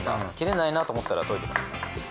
うん切れないなと思ったら研いでますね。